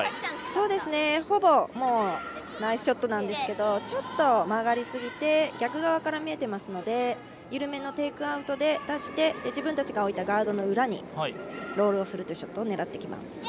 ほぼ、ナイスショットなんですけどちょっと曲がりすぎて逆側から見えていますので緩めのテイクアウトで出して自分たちが置いたガードの裏にロールをするショットを狙ってきます。